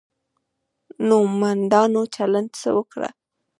نومندانو چلند څه وکړو.